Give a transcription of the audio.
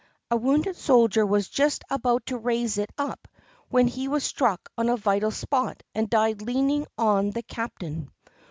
A wounded soldier was just about to raise it up when he was struck on a vital spot and died leaning on the cap tain.